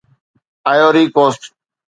Ivory coast